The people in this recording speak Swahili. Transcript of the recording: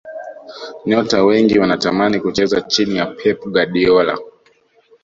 nyota wengi wanatamani kucheza chini ya pep guardiola